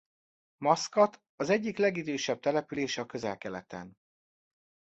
Maszkat az egyik legidősebb település a Közel-Keleten.